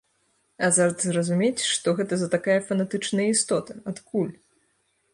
Азарт зразумець, што гэта за такая фанатычная істота, адкуль?